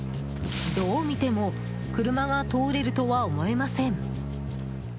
どう見ても車が通れるとは思えません。